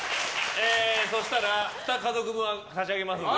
そしたら、２家族分差し上げますので。